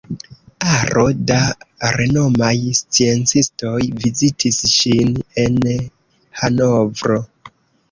Aro da renomaj sciencistoj vizitis ŝin en Hanovro.